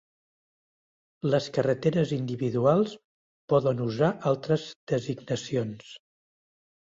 Las carreteres individuals poden usar altres designacions.